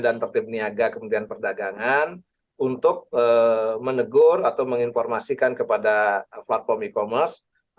dan tertip niaga kemudian perdagangan untuk menegur atau menginformasikan kepada platform e commerce